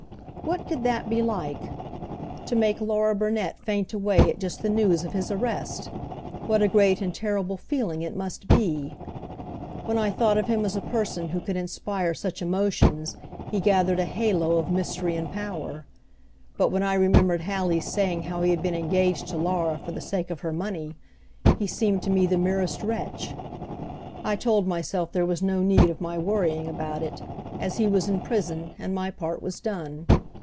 What could that be like? To make Laura Burnet faint away at just the news of his arrest what a great and terrible feeling it must be! When I thought of him as a person who could inspire such emotions he gathered a halo of mystery and power; but when I remembered Hallie's saying how he had been engaged to Laura for the sake of her money, he seemed to me the merest wretch. I told myself there was no need of my worrying about it, as he was in prison and my part was done.